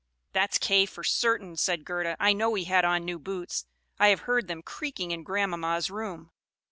"That's Kay for certain," said Gerda. "I know he had on new boots; I have heard them creaking in grandmama's room."